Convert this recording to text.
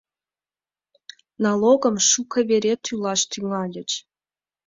Налогым шуко вере тӱлаш тӱҥальыч.